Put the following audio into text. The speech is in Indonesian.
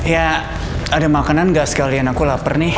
ya ada makanan gak sekalian aku lapar nih